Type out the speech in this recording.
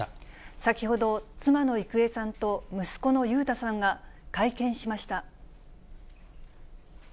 先ほど、妻の郁恵さんと息子の裕太さんが会見しました。